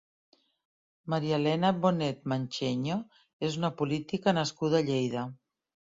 Maríalena Bonet Mancheño és una política nascuda a Lleida.